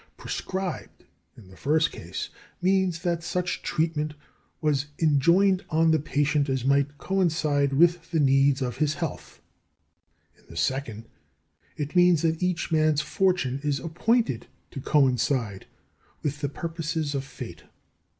"Prescribed," in the first case, means that such treatment was enjoined on the patient as might coincide with the needs of his health: in the second case it means that each man's fortune is appointed to coincide with the purposes of fate.